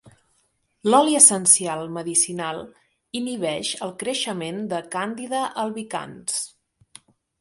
L'oli essencial medicinal inhibeix el creixement de Candida albicans.